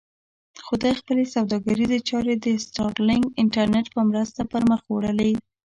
خو ده خپلې سوداګریزې چارې د سټارلېنک انټرنېټ په مرسته پر مخ وړلې.